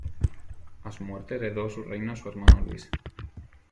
A su muerte heredó su reino su hermano Luis.